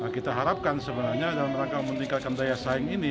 kita harapkan sebenarnya dalam rangka meningkatkan daya saing ini